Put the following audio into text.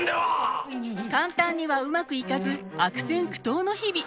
簡単にはうまくいかず悪戦苦闘の日々。